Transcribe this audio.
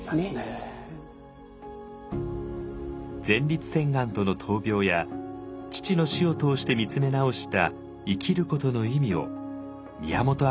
前立腺がんとの闘病や父の「死」を通して見つめ直した「生きることの意味」を宮本亞